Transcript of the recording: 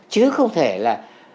chứ không thể là